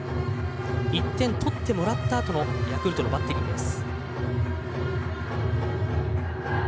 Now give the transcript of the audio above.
１点取ってもらったあとのヤクルトのバッテリーです。